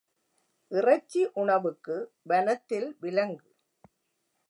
இறைச்சி உணவுக்கு, வனத்தில் விலங்கு!